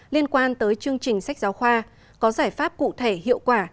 liên quan tới chương trình sách giáo khoa có giải pháp cụ thể hiệu quả